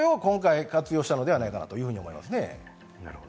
それを今回、活用したのではないかと思いますね。